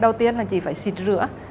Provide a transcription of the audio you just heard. đầu tiên là chị phải xịt rửa